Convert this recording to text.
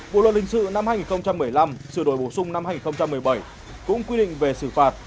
bộ luật hình sự năm hai nghìn một mươi năm sửa đổi bổ sung năm hai nghìn một mươi bảy cũng quy định về xử phạt